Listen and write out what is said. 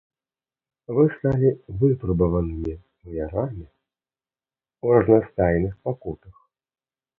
Вы сталі выпрабаванымі ваярамі ў разнастайных пакутах.